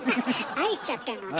愛しちゃってんのね。